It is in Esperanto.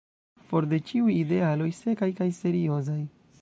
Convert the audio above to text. For de ĉiuj idealoj sekaj kaj seriozaj!"